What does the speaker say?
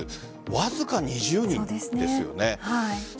わずか２０人ですよね。